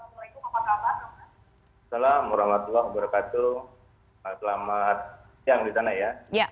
assalamualaikum wr wb selamat siang di sana ya